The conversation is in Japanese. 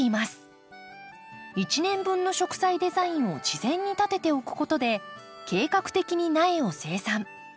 一年分の植栽デザインを事前に立てておくことで計画的に苗を生産。